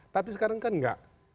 tapi sekarang kan enggak